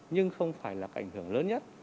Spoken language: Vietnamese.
nhưng không phải là cái ảnh hưởng lớn nhất